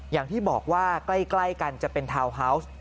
อย่างที่บอกว่าใกล้กันจะเป็นทาวน์ฮาวส์